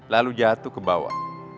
lalu jatuh ke bawah